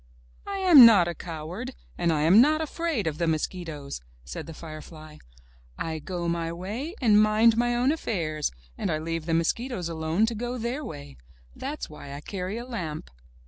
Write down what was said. "I am not a coward, and I am not afraid of the mosquitoes!" said the firefly. "I go my way and mind my own affairs, and I leave the mosquitoes alone to go their way. That's why I carry a lamp."